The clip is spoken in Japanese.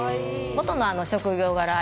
元の職業柄